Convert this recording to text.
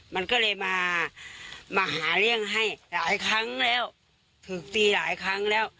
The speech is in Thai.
มันก็เลยมามาหาเรื่องให้หลายครั้งแล้วถูกตีหลายครั้งแล้ว